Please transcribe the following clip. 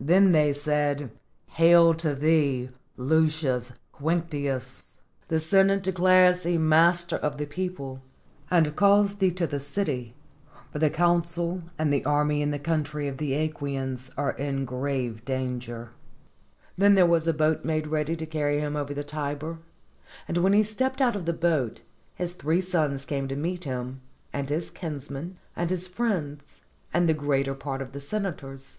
Then they said, "Hail to thee, Lucius Quinctius! the Senate declares thee master of the people, and calls thee to the city, for the consul and the army in the country of the ^quians are in great danger." Then therewas a boat made ready to carry him over the Tiber, and when he stepped out of the boat, his three sons came to meet him, and his kinsmen and his friends, and the greater part of the senators.